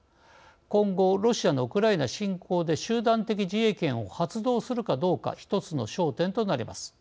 今後、ロシアのウクライナ侵攻で集団的自衛権を発動するかどうか一つの焦点となります。